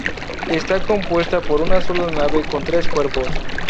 Está compuesta por una sola nave con tres cuerpos.